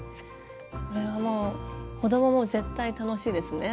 これはもう子供も絶対楽しいですね。